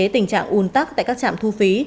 tình trạng un tắc tại các trạm thu phí